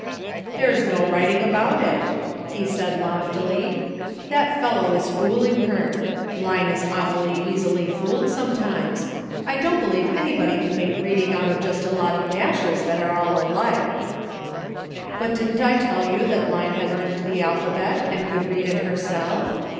"There's no writing about it," he said loft ily, "that fellow is fooling her. Line is aw fully easily fooled, sometimes ; I don't believe anybody can make reading out of just a lot of dashes that are all alike !"" But didn't I tell you that Line had learned the alphabet, and could read it herself?